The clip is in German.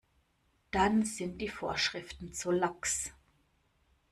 Dann sind die Vorschriften zu lax.